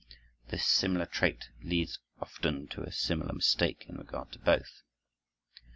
This similar trait leads often to a similar mistake in regard to both.